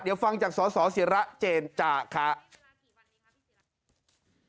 เดี๋ยวฟังจากสสิระเจนจาครับ